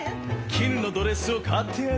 「絹のドレスを買ってやる」